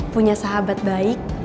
punya sahabat baik